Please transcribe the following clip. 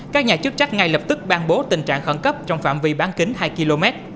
các nhà chức trách ngay lập tức ban bố tình trạng khẩn cấp trong phạm vi bán kính hai km